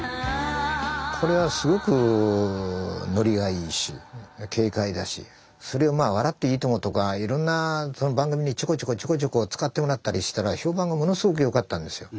これはすごくノリがいいし軽快だしそれを「笑っていいとも！」とかいろんな番組にちょこちょこちょこちょこ使ってもらったりしたら評判がものすごく良かったんですよ。